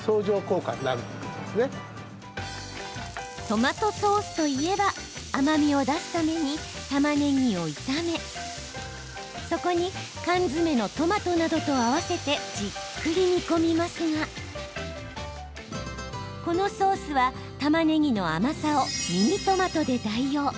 トマトソースといえば甘みを出すためにたまねぎを炒めそこに缶詰のトマトなどと合わせてじっくり煮込みますがこのソースは、たまねぎの甘さをミニトマトで代用。